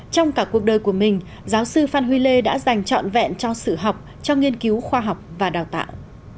trong cả cuộc đời của mình giáo sư phan huy lê đã dành trọn vẹn cho sự học cho nghiên cứu khoa học và đào tạo